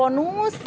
yang ini udah kecium